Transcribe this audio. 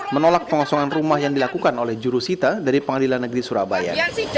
menolak pengosongan rumah yang dilakukan oleh jurusita dari pengadilan negeri surabaya